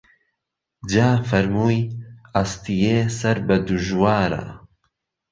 جافەرموی: ئەستیێ سەر بە دوژوارە